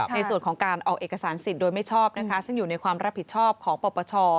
ในส่วนของการออกเอกสารสิทธิ์โดยไม่ชอบนะคะซึ่งอยู่ในความรับผิดชอบของปปช